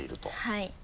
はい。